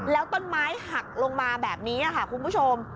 แล้วต้นไม้หักลงมาแบบนี้ค่ะคุณผู้ชม